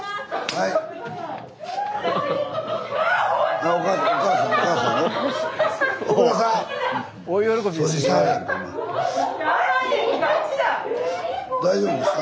はい大丈夫です。